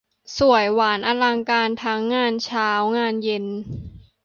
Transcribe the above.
สวยหวานอลังการ ทั้งงานเช้างานเย็น